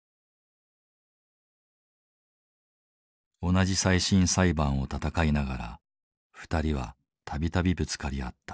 同じ再審裁判を闘いながら２人は度々ぶつかり合った。